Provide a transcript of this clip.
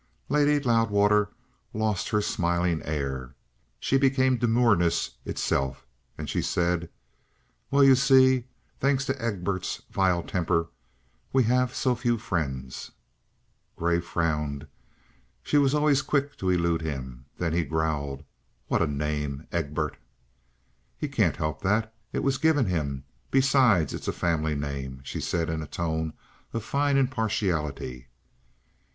Lady Loudwater lost her smiling air; she became demureness itself, and she said: "Well, you see thanks to Egbert's vile temper we have so few friends." Grey frowned; she was always quick to elude him. Then he growled: "What a name! Egbert!" "He can't help that. It was given him. Besides, it's a family name," she said in a tone of fine impartiality.